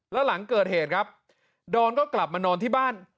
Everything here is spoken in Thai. แล้วหลังเกิดเหตุครับดอนก็กลับมานอนที่บ้าน